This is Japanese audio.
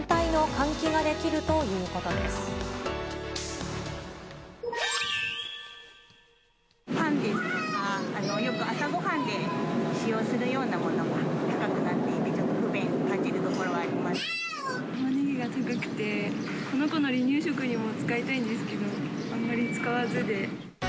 パンとか、よく朝ごはんで使用するようなものも高くなっていて、ちょっと不タマネギが高くて、この子の離乳食にも使いたいんですけど、あんまり使わずで。